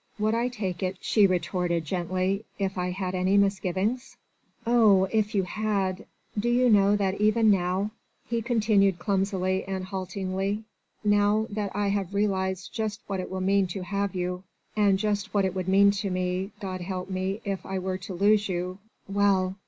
"Would I take it," she retorted gently, "if I had any misgivings?" "Oh! if you had.... Do you know that even now ..." he continued clumsily and haltingly, "now that I have realised just what it will mean to have you ... and just what it would mean to me, God help me if I were to lose you ... well!...